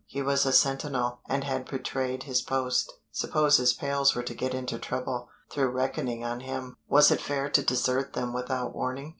He was a sentinel, and had betrayed his post; suppose his pals were to get into trouble through reckoning on him; was it fair to desert them without warning?